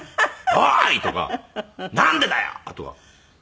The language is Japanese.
「おーい！」とか「なんでだよ！」とか。本当。